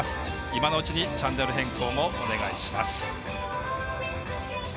今のうちにチャンネル変更もお願いします。